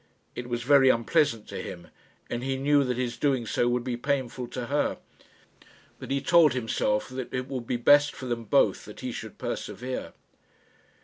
It was very unpleasant to him, and he knew that his doing so would be painful to her; but he told himself that it would be best for them both that he should persevere.